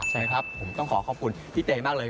ใช่ครับผมต้องขอขอบคุณพี่เตยมากเลย